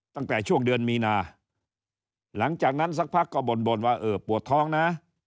ตั้งแต่ช่วงเดือนมีนาหลังจากนั้นสักพักก็บ่นว่าเออปวดท้องนะ